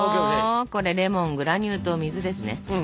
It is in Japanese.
これレモングラニュー糖水ですね。